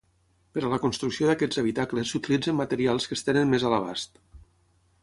Per a la construcció d'aquests habitacles s'utilitzen materials que es tenen més a l'abast.